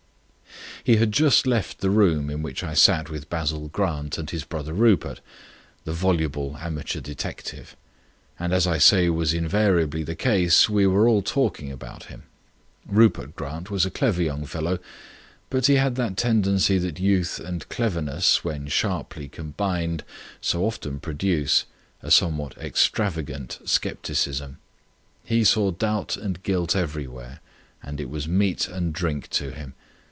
He had just left the room in which I sat with Basil Grant and his brother Rupert, the voluble amateur detective. And as I say was invariably the case, we were all talking about him. Rupert Grant was a clever young fellow, but he had that tendency which youth and cleverness, when sharply combined, so often produce, a somewhat extravagant scepticism. He saw doubt and guilt everywhere, and it was meat and drink to him.